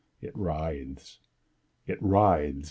It writhes!—it writhes!